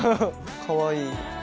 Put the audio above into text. かわいい。